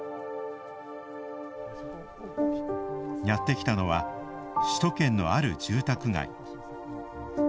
やってきたのは首都圏のある住宅街。